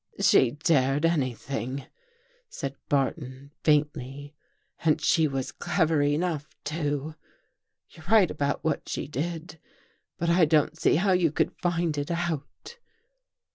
" She dared anything," said Barton faintly, " and she was clever enough, too. You're right about what she did, but I don't see how you could find it out."